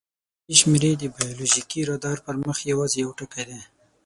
د دې شمېرنه د بایولوژیکي رادار پر مخ یواځې یو ټکی دی.